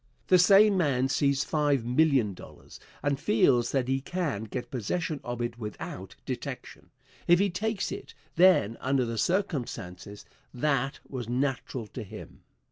The same man sees five million dollars, and feels that he can get possession of it without detection. If he takes it, then under the circumstances, that was natural to him.